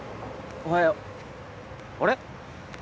おはよう。あれ？